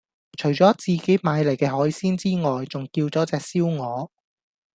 除左自己買黎既海鮮之外仲叫左隻燒鵝